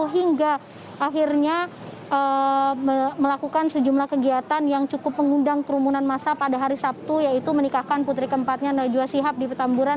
hingga akhirnya melakukan sejumlah kegiatan yang cukup mengundang kerumunan masa pada hari sabtu yaitu menikahkan putri keempatnya najwa sihab di petamburan